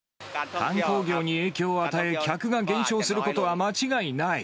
観光業に影響を与え、客が減少することは間違いない。